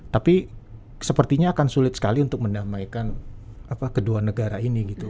tapi sepertinya akan sulit sekali untuk mendamaikan kedua negara ini gitu